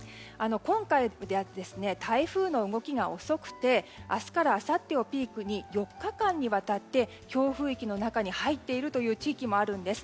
今回、台風の動きが遅くて明日からあさってをピークに４日間にわたって強風域の中に入っている地域もあるんです。